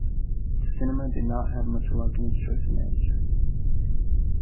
The cinema did not have much luck in its choice of managers.